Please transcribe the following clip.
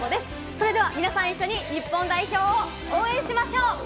それでは皆さん一緒に日本代表を応援しましょう！